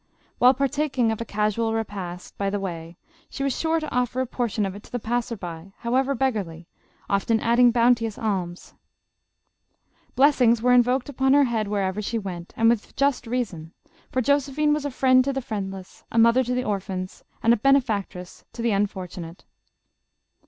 While partaking of a casual repast by the way, she was sure to offer a portion of it to the passer by however beggarly, often adding bounteous alms. Blessings were invoked upon her head wherever she went, and with just reason, for Josephine was a friend to the friendless, a mother to orphans, a benefactress to the unfortunate.